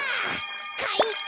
かいか！